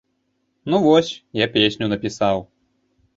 Ну, вось, я песню напісаў.